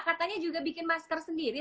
katanya juga bikin masker sendiri